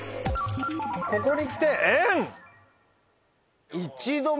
ここにきて「円」！